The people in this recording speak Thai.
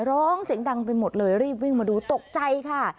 ร้องเสียงดังไปหมดเลยรีบวิ่งมาดูตกใจค่ะ